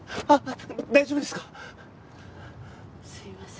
あっ。